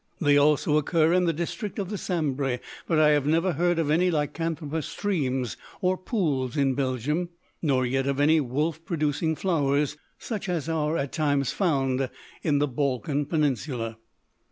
They also occur in the district of the Sambre; but I have never heard of any lycanthropous streams or pools in Belgium, nor yet of any wolf producing flowers, such as are, at times, found in the Balkan Peninsula.